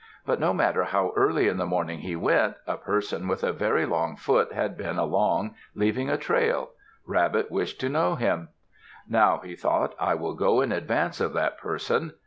But no matter how early in the morning he went, a person with a very long foot had been along, leaving a trail. Rabbit wished to know him. "Now," he thought, "I will go in advance of that person."